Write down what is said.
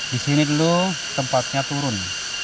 disini dulu tempatnya turun